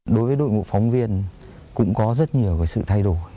đối với đội ngũ phóng viên cũng có rất nhiều sự thay đổi